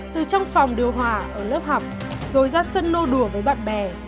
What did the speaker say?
từ trong phòng điều hòa ở lớp học rồi ra sân nô đùa với bạn bè